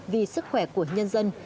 vì sức khỏe của nhân dân